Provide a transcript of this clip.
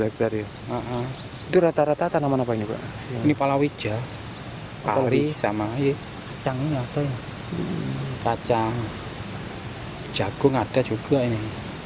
kacang jagung ada juga ini